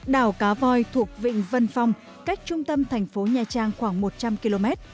đảo cá voi thuộc vịnh vân phong cách trung tâm thành phố nha trang khoảng một trăm linh km